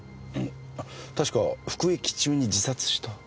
確か服役中に自殺した。